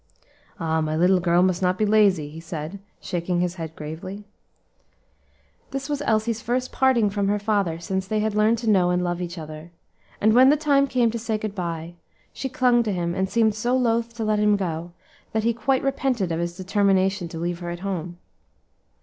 "Ah! my little girl must not be lazy," he said, shaking his head gravely. This was Elsie's first parting from her father since they had learned to know and love each other; and when the time came to say good by, she clung to him, and seemed so loath to let him go, that he quite repented of his determination to leave her at home.